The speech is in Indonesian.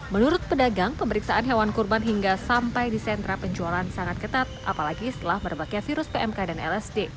menurut pedagang pemeriksaan hewan kurban hingga sampai di sentra penjualan sangat ketat apalagi setelah berbagai virus pmk dan lsd